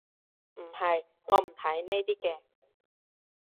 唔係，我唔睇呢啲嘅